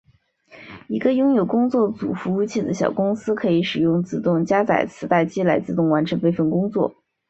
一个拥有工作组服务器的小公司可以使用自动加载磁带机来自动完成备份工作。